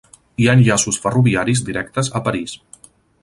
Hi ha enllaços ferroviaris directes a París.